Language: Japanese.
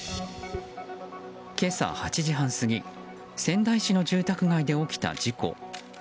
今朝８時半過ぎ仙台市の住宅街で起きた事故。